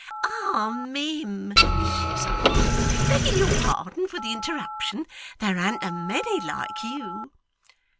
'Ah, mim,' sighed Miggs, 'begging your pardon for the interruption, there an't a many like you.